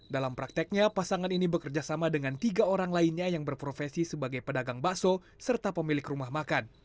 dalam prakteknya pasangan ini bekerja sama dengan tiga orang lainnya yang berprofesi sebagai pedagang bakso serta pemilik rumah makan